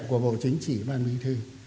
của bộ chính trị ban bí thư